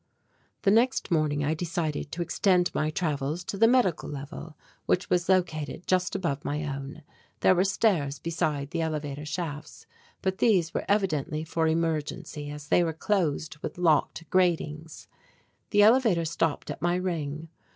The next morning I decided to extend my travels to the medical level, which was located just above my own. There were stairs beside the elevator shafts but these were evidently for emergency as they were closed with locked gratings. The elevator stopped at my ring.